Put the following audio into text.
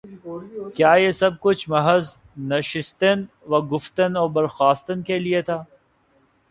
کیا یہ سب کچھ محض نشستن و گفتن و برخاستن کے لیے تھا؟